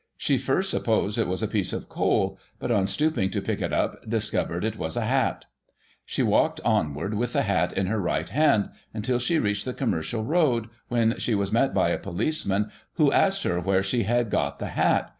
She first supposed it was a piece of coal, but, on stooping to pick it up, discovered it was a fiat She walked onward, with the hat in her right hand, imtil she reached the Commercial Road, when she was met by a policeman, who asked her where she had got the hat.